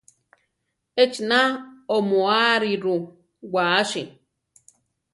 Echina oʼmoáriru wáasi.